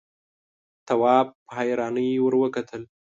تواب په حيرانۍ ور وکتل.